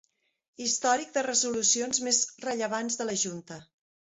Històric de resolucions més rellevants de la Junta.